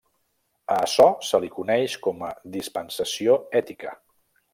A açò se li coneix com a dispensació ètica.